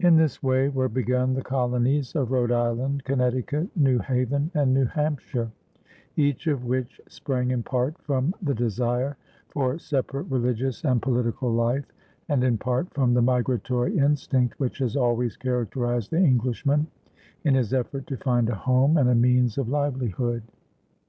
In this way were begun the colonies of Rhode Island, Connecticut, New Haven, and New Hampshire, each of which sprang in part from the desire for separate religious and political life and in part from the migratory instinct which has always characterized the Englishman in his effort to find a home and a means of livelihood.